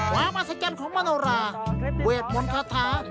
ความอัศจรรย์ของมโนราเวทมนต์คาถา